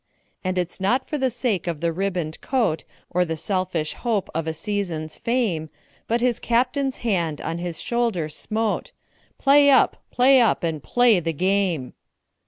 And it's not for the sake of a ribboned coat, Or the selfish hope of a season's fame, But his Captain's hand on his shoulder smote "Play up! play up! and play the game!"